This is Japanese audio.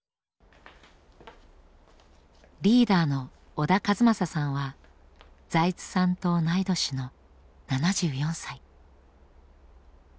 リーダーの小田和正さんは財津さんと同い年の７４歳。